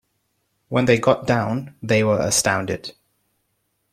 When they got down, they were astounded.